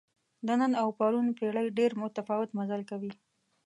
د نن او پرون پېړۍ ډېر متفاوت مزل کوي.